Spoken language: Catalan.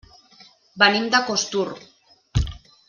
Venim de Costur.